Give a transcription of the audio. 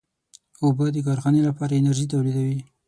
اوبه د کارخانې لپاره انرژي تولیدوي.